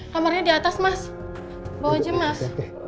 kamarnya di atas mas bawa aja mas